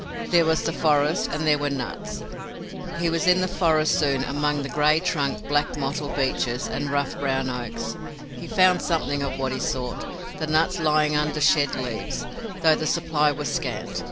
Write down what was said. There was the forest and there were nuts. He was in the forest soon, among the gray trunked, black mottled beeches and the rough brown oaks. He found something of what he sought, the nuts lying under shed leaves, though the supply was scant.